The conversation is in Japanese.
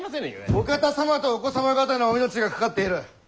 お方様とお子様方のお命が懸かっている。